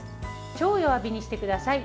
超弱火にしてください。